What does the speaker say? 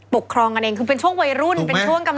ปกครองกันเองคือเป็นช่วงวัยรุ่นเป็นช่วงกำลังกลับ